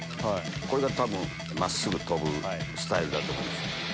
これが多分真っすぐ飛ぶスタイルだと思います。